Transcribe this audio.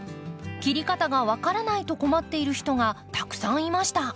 切り方が分からないと困っている人がたくさんいました。